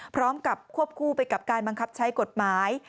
พร้อมกับควบคู่ไปกับการบังคับใช้กฎหมาย